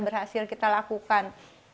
berhasil kita lakukan